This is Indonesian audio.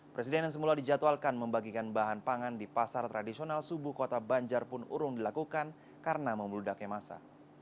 presiden yang semula dijadwalkan membagikan bahan pangan di pasar tradisional subuh kota banjar pun urung dilakukan karena membeludaknya masa